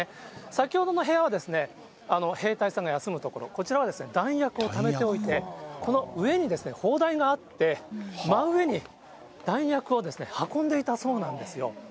先ほどの部屋は兵隊さんが休む所、こちらは弾薬をためておいて、この上に砲台があって、真上に弾薬を運んでいたそうなんですよ。